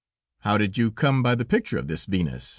"How did you come by the picture of this Venus?"